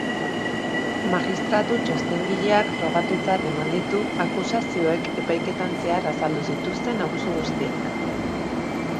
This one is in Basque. Magistratu txostengileak frogatutzat eman ditu akusazioek epaiketan zehar azaldu zituzten abusu guztiak.